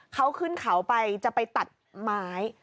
เขาขึ้นเขาไปจะไปตัดไม้